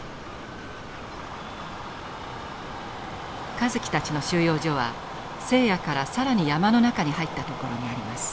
香月たちの収容所はセーヤから更に山の中に入った所にあります。